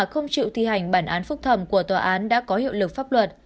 không chịu thi hành bản án phúc thẩm của tòa án đã có hiệu lực pháp luật